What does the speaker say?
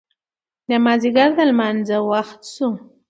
د مازدیګر د لمانځه وخت شو.